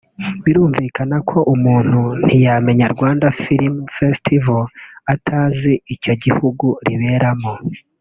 birumvikana ko umuntu ntiyamenya Rwanda Film Festival atazi icyo gihugu riberamo